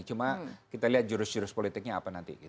cuma kita lihat jurus jurus politiknya apa nanti